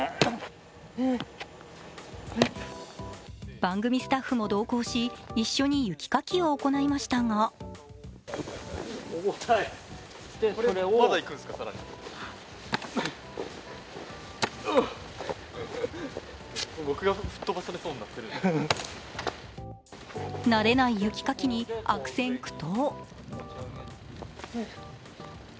番組スタッフも同行し一緒に雪かきを行いましたが慣れない雪かきに悪戦苦闘。